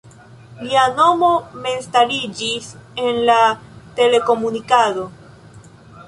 Lia nomo memstariĝis en la telekomunikado.